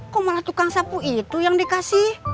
kok malah tukang sapu itu yang dikasih